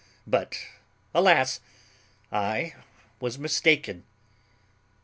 But, alas! I was mistaken."